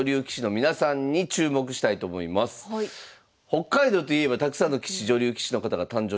北海道といえばたくさんの棋士女流棋士の方が誕生してますよね。